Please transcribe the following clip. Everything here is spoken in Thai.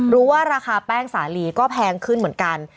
ราคาแป้งสาลีก็แพงขึ้นเหมือนกัน